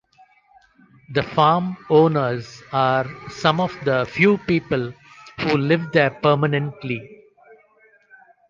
The farm owners are some of the few people who live there permanently.